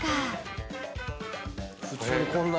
普通にこんな。